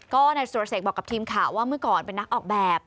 ก็นายสุรเสกบอกกับทีมข่าวว่าเมื่อก่อนเป็นนักออกแบบ